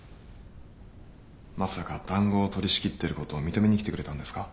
まさか談合を取り仕切ってることを認めに来てくれたんですか？